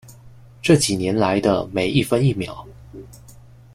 这几年来的每一分一秒